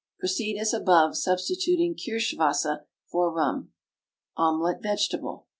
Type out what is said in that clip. Proceed as above, substituting Kirschenwasser for Rum. OMELET, VEGETABLE.